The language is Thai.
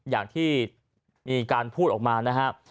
อย่างที่มีการพูดออกมานะครับ